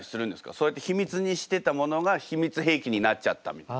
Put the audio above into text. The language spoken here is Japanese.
そうやって秘密にしてたものが秘密兵器になっちゃったみたいな。